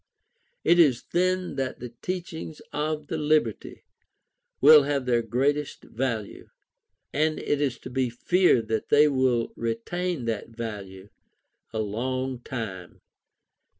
It is then that the teachings of the Liberty will have their greatest value. And it is to be feared that they will retain that value a long time.